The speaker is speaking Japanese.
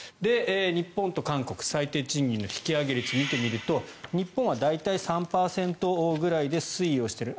日本と韓国最低賃金の引き上げ率を見てみると日本は大体３％ぐらいで推移している。